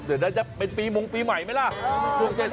เดี๋ยวน่าจะเป็นปีมงปีใหม่ไหมล่ะ